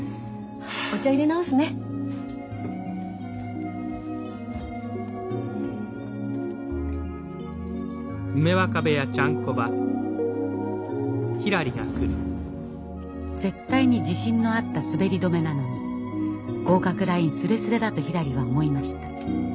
お茶いれ直すね。絶対に自信のあった滑り止めなのに合格ラインすれすれだとひらりは思いました。